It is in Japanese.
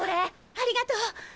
ありがとう！